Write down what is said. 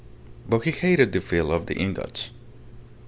But he hated the feel of the ingots.